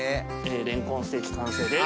レンコンステーキ完成です。